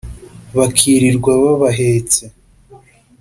bakirirwa babahetse